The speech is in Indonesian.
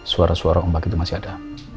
suara suara ombak itu masih ada